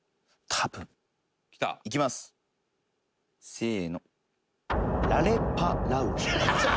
「せーの」